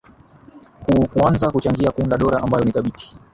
ku kuanza kuchangia kuunda dora ambayo ni dhabiti